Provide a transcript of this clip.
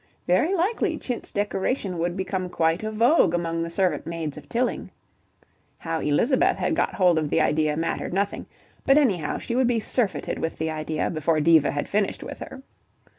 Very likely chintz decoration would become quite a vogue among the servant maids of Tilling. ... How Elizabeth had got hold of the idea mattered nothing, but anyhow she would be surfeited with the idea before Diva had finished with her.